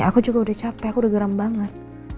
aku juga udah capek aku udah garam banget